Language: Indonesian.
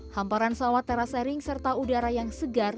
hamparan sawah teras sharing serta udara yang segar